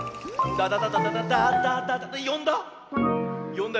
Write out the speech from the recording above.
よんだ？